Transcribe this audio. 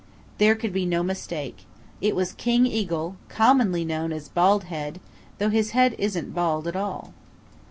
There could be no mistake. It was King Eagle, commonly known as Bald Head, though his head isn't bald at all.